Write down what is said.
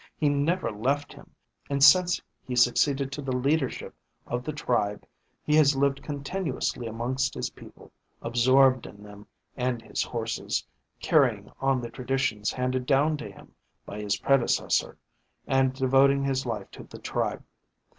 He never left him, and since he succeeded to the leadership of the tribe he has lived continuously amongst his people, absorbed in them and his horses, carrying on the traditions handed down to him by his predecessor and devoting his life to the tribe.